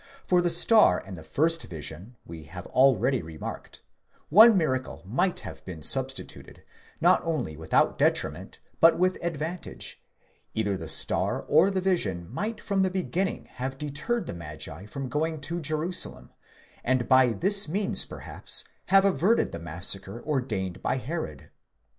For the star and the first vision, we have already remarked, one miracle might have been substituted, not only without detriment, but with advantage ; either the star or the vision might from the beginning have deterred the magi from going to Jerusalem, and by this means perhaps have averted the massacre ordained by Herod.